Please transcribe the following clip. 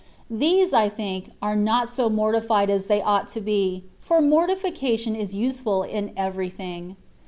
These, I think, are not so morti fied as they ought to be, for mortification is useful in everything.